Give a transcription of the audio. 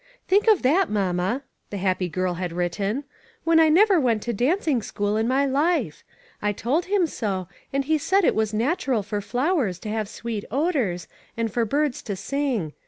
" Think of that, mamma," the happy girl had written, "when I never went to danc ing school in my life. I told him so, and he said that it was natural for flowers to have sweet odors, and for birds to sing.